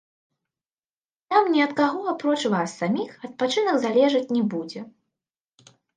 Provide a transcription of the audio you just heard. Там ні ад каго апроч вас саміх адпачынак залежаць не будзе.